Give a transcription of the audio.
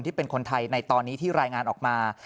ที่เป็นคนไทยในตอนนี้ที่รายงานออกมา